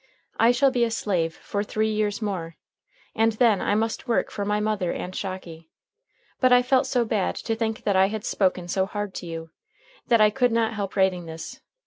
I shall be a slave for three years more, and then I must work for my mother and Shocky; but I felt so bad to think that I had spoken so hard to you, that I could not help writing this.